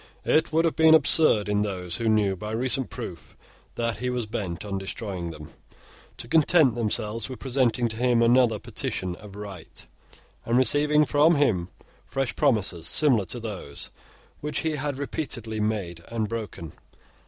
It would have been absurd in those who knew, by recent proof, that he was bent on destroying them, to content themselves with presenting to him another Petition of Right, and receiving from him fresh promises similar to those which he had repeatedly made and broken.